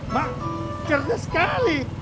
mak cerdas sekali